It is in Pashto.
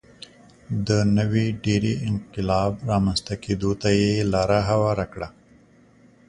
د نوې ډبرې انقلاب رامنځته کېدو ته یې لار هواره کړه.